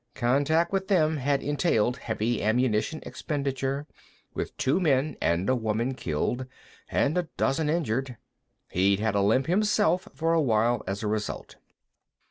Contact with them had entailed heavy ammunition expenditure, with two men and a woman killed and a dozen injured. He'd had a limp, himself, for a while as a result.